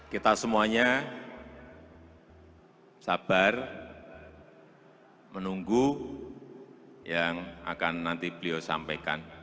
kita semuanya sabar menunggu yang akan nanti beliau sampaikan